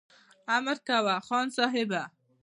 امر کوه خان صاحبه !